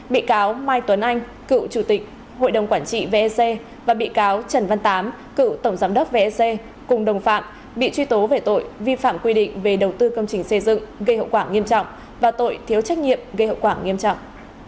bị cáo mai tuấn anh cựu chủ tịch hội đồng quản trị vec và bị cáo trần văn tám cựu tổng giám đốc vec cùng đồng phạm bị truy tố về tội vi phạm quy định về đầu tư công trình xây dựng gây hậu quả nghiêm trọng và tội thiếu trách nhiệm gây hậu quả nghiêm trọng